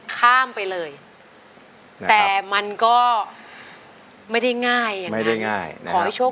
ข้ามไปเลยแต่มันก็ไม่ได้ง่ายไม่ได้ง่ายขอให้โชค